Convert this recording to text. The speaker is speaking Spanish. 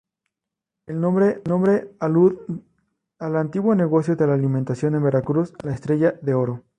El nombre alud al antiguo negocio de alimentación en Veracruz "La Estrella de Oro".